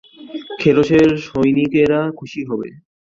খেরোসের সৈনিকেরাও খুশি হবে।